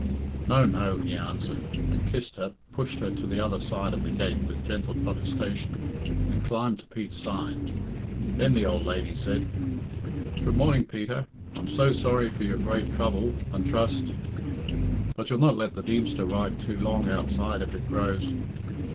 "No, no," he answered, and kissed her, pushed her to the other side of the gate with gentle protestation, and climbed to Pete's side. Then the old lady said "Good morning, Peter. I'm so sorry for your great trouble, and trust... But you'll not let the Deemster ride too long outside if it grows...